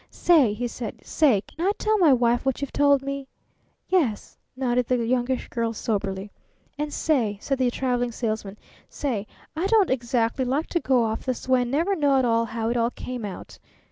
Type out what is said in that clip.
"Say," he said, "say, can I tell my wife what you've told me?" "Y e s," nodded the Youngish Girl soberly. "And say," said the Traveling Salesman, "say, I don't exactly like to go off this way and never know at all how it all came out."